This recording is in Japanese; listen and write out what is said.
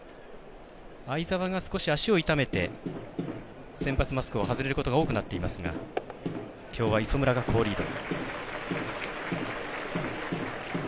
會澤が足を痛めて先発マスクを外れることが多くなっていますがきょうは磯村が好リード。